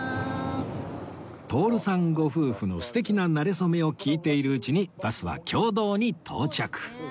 徹さんご夫婦の素敵ななれ初めを聞いているうちにバスは経堂に到着